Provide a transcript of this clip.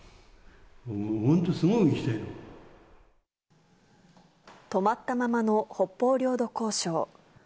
本当、止まったままの北方領土交渉。